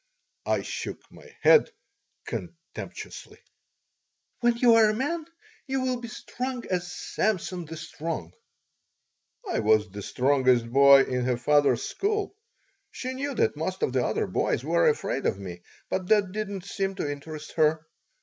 I shook my head contemptuously "When you are a man you will be strong as Samson the Strong." I was the strongest boy in her father's school. She knew that most of the other boys were afraid of me, but that did not seem to interest her.